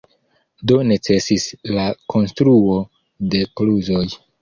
Do necesis la konstruo de kluzoj.